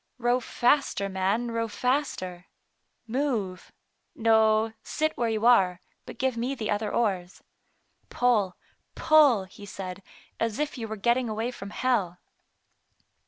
" Row faster, man, row faster. Move — no, sit where you are, but give me the other oars. Pull, pull,*' he said, " as if you were getting away from hell."